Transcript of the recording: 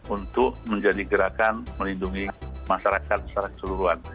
untuk menjadi gerakan melindungi masyarakat secara keseluruhan